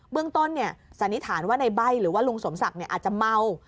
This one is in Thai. เรื่องต้นสันนิษฐานว่าในใบ้หรือว่าลุงสมศักดิ์อาจจะเมา